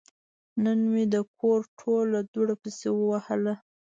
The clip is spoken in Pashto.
نن مې د کور ټوله دوړه پسې ووهله.